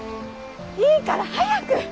いいから早く！